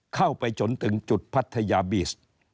เข้าไปจนถึงจุดพัทยาบีส